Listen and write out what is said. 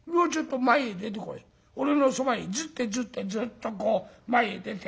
俺のそばへずってずってずっとこう前へ出て。